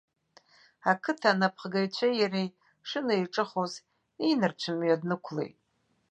Ақыҭа анапхгаҩцәеи иареи шынеиҿыхоз, инарцә мҩа днықәлеит.